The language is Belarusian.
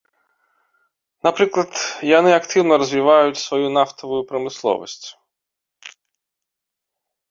Напрыклад, яны актыўна развіваюць сваю нафтавую прамысловасць.